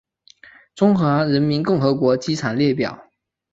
中华人民共和国机场列表